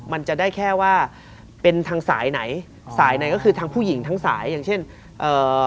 มันจะได้แค่ว่าเป็นทางสายไหนสายไหนก็คือทางผู้หญิงทั้งสายอย่างเช่นเอ่อ